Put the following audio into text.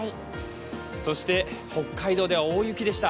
そして、北海道では大雪でした。